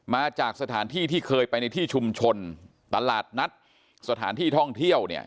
มาจากสถานที่ที่เคยไปในที่ชุมชนตลาดนัดสถานที่ท่องเที่ยวเนี่ย